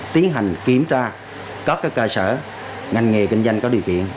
tiến hành kiểm tra các cơ sở ngành nghề kinh doanh có điều kiện